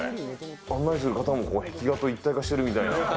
案内する方も、壁画と一体化してるみたいな。